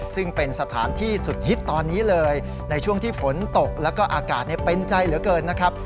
ซึ่งเป็นสถานที่สุดฮิตตอนนี้เลยในช่วงที่ฝนตกแล้วก็อากาศเป็นใจเหลือเกินนะครับ